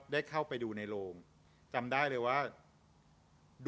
ดูไม่เจอกัน